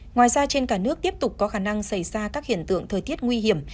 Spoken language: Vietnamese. ngoài ra trên cả nước tiếp tục có khả năng xảy ra các hiện tượng thời tiết nguy hiểm